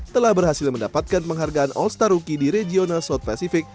telah berhasil mendapatkan penghargaan all star rookie di regional south pacific